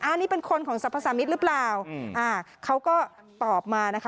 อันนี้เป็นคนของสรรพสามิตรหรือเปล่าอ่าเขาก็ตอบมานะคะ